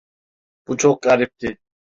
Bu çok garipti.